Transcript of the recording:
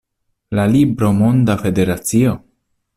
La libro Monda Federacio?